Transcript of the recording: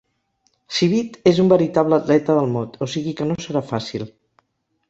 Civit és un veritable atleta del mot, o sigui que no serà fàcil.